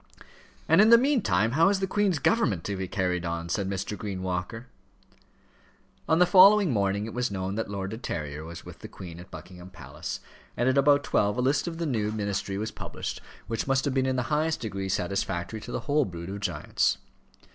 "And in the meantime how is the Queen's government to be carried on?" said Mr. Green Walker. On the following morning it was known that Lord De Terrier was with the Queen at Buckingham Palace, and at about twelve a list of the new ministry was published, which must have been in the highest degree satisfactory to the whole brood of giants.